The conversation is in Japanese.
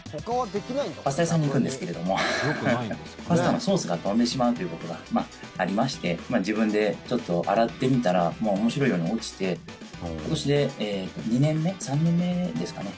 パスタ屋さんに行くんですけれどもパスタのソースが飛んでしまうということがありまして自分でちょっと洗ってみたら面白いように落ちて今年で２年目３年目ですかね。